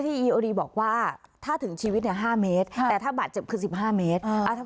อีโอดีบอกว่าถ้าถึงชีวิต๕เมตรแต่ถ้าบาดเจ็บคือ๑๕เมตร